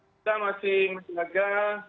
kita masih menjaga